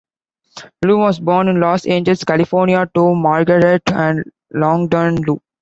Loo was born in Los Angeles, California to Margaret and Longden Loo.